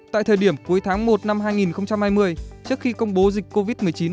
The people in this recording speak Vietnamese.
tại thời điểm cuối tháng một năm hai nghìn hai mươi trước khi công bố dịch covid một mươi chín